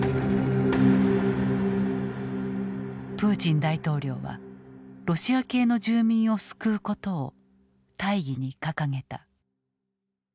プーチン大統領はロシア系の住民を救うことを大義に掲げた。